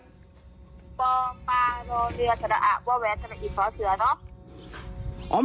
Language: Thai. ปลอมปลาโรเรียสระอะวอแวนสระอิสสอเสือเนอะ